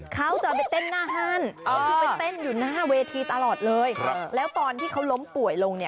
เขาจะไปเต้นหน้าหั่น